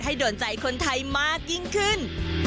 โดนใจคนไทยมากยิ่งขึ้น